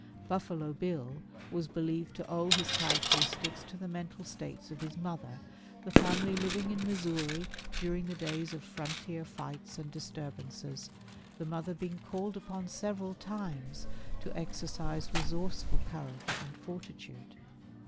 "Buffalo Bill" was believed to owe his characteristics to the mental states of his mother, the family living in Missouri during the days of frontier fights and disturbances, the mother being called upon several times to exercise resourceful courage and fortitude.